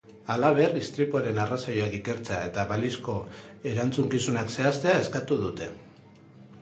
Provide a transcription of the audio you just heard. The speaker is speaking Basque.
Halaber, istripuaren arrazoiak ikertzea eta balizko erantzukizunak zehaztea eskatu dute.